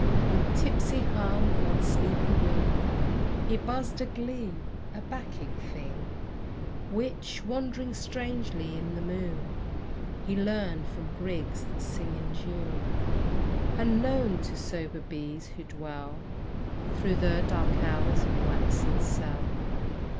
With tipsy hum on sleepy wing He buzzed a glee a bacchic thing Which, wandering strangely in the moon, He learned from grigs that sing in June, Unknown to sober bees who dwell Through the dark hours in waxen cell.